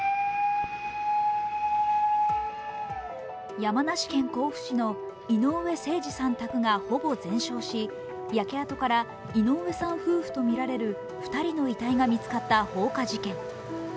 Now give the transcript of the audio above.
山梨県甲府市の井上盛司さん宅がほぼ全焼し焼け跡から井上さん夫婦とみられる２人の遺体が見つかった放火事件。